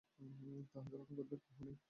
তাহাকে রক্ষা করিবার কেহই নাই?